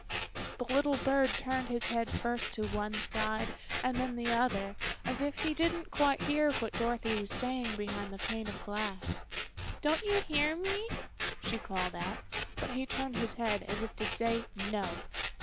The little bird turned his head first to one side and then the other, as if he didn't quite hear what Dorothy was saying behind the pane of glass. "Don't you hear me?" she called out, but he turned his head, as if to say, "No!"